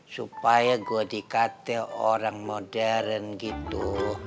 supaya gue dikate orang modern gitu